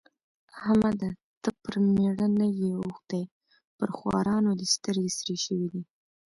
احمده! ته پر مېړه نه يې اوښتی؛ پر خوارانو دې سترګې سرې شوې دي.